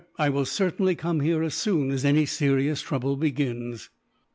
I will certainly come here, as soon as any serious trouble begins."